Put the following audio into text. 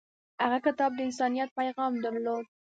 هغه کتاب د انسانیت پیغام درلود.